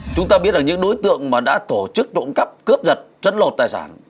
chúng ta biết là những đối tượng mà đã tổ chức trộm cắp cướp giật chất lột tài sản